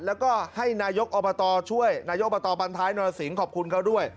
แล้วก็ให้นายกอบตช่วยนายกอบตบันท้ายนรสิงขอบคุณเขาด้วย